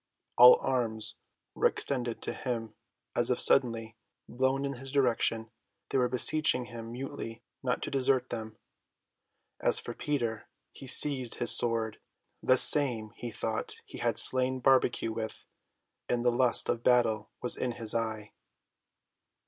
All arms were extended to him, as if suddenly blown in his direction; they were beseeching him mutely not to desert them. As for Peter, he seized his sword, the same he thought he had slain Barbecue with, and the lust of battle was in his eye.